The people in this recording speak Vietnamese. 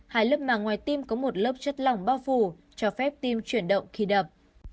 hai lớp màng ngoài tim có một lớp chất lỏng bao phủ cho phép tim chuyển động khi đập